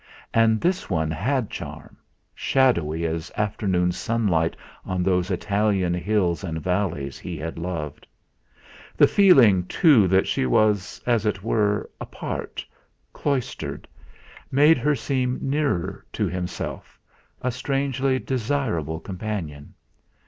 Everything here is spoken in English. And this one had charm, shadowy as afternoon sunlight on those Italian hills and valleys he had loved. The feeling, too, that she was, as it were, apart, cloistered, made her seem nearer to himself, a strangely desirable companion.